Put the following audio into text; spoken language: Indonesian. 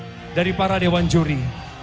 dari para dewan juri